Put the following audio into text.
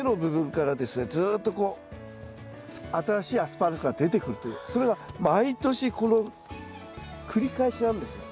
ずっとこう新しいアスパラが出てくるというそれが毎年この繰り返しなんですよ。